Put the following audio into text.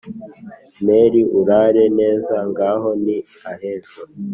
mary : urare neza ngaho! ni ahejo